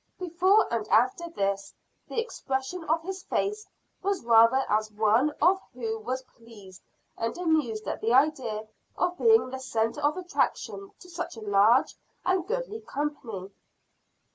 Before and after this, the expression of his face was rather as of one who was pleased and amused at the idea of being the center of attraction to such a large and goodly company.